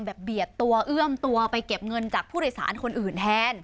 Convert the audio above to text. เบียดตัวเอื้อมตัวไปเก็บเงินจากผู้โดยสารคนอื่นแทน